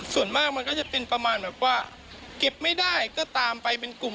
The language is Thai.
ส่วนมากมันก็จะเป็นประมาณแบบว่าเก็บไม่ได้ก็ตามไปเป็นกลุ่ม